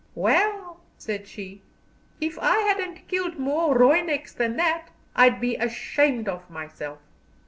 "Well," said she, "if I hadn't killed more Rooineks than that, I'd be ashamed of myself."